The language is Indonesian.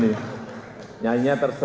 enam pak teten